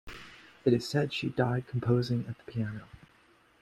It is said that she died composing at the piano.